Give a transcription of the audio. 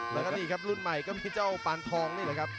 แล้วก็นี่ครับรุ่นใหม่ก็มีเจ้าปานทองนี่แหละครับ